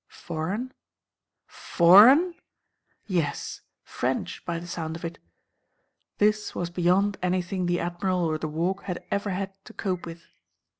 Foreign? Foreign?—Yes; French, by the sound of it. This was beyond anything the Admiral or the Walk had ever had to cope with.